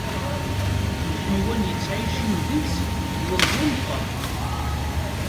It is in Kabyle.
Lḥiwan yettɛicin deg-s, meẓẓi meqqer.